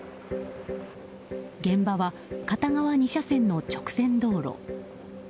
現場は片側２車線の直線道路。